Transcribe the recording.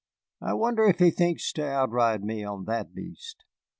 "I wonder if he thinks to outride me on that beast?